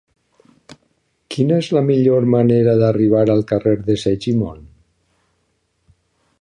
Quina és la millor manera d'arribar al carrer de Segimon?